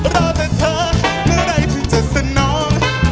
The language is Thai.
รอแต่เธอเมื่อไหร่ถึงจะสนอง